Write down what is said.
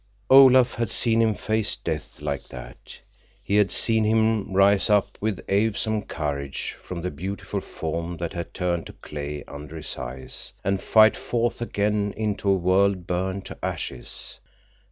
Olaf had seen him face death like that. He had seen him rise up with awesome courage from the beautiful form that had turned to clay under his eyes, and fight forth again into a world burned to ashes.